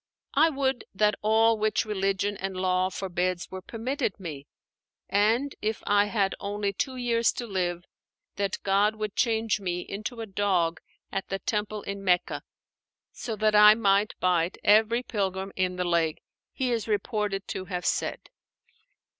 "I would that all which Religion and Law forbids were permitted me; and if I had only two years to live, that God would change me into a dog at the Temple in Mecca, so that I might bite every pilgrim in the leg," he is reported to have said.